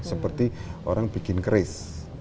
seperti orang bikin keris